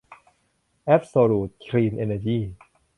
แอ๊บโซลูท คลีน เอ็นเนอร์จี้